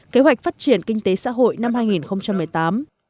kế hoạch phát triển kinh tế xã hội năm hai nghìn một mươi tám